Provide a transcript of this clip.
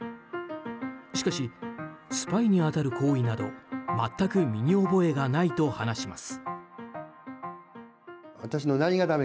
しかし、スパイに当たる行為など全く身に覚えがないと話します。